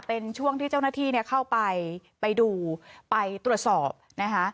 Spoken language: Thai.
เป็นช่วงที่เจ้าหน้าที่เข้าไปไปดูไปตรวจสอบนะคะ